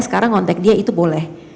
sekarang ngontek dia itu boleh